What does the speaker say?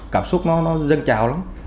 cảm xúc nó dâng trào lắm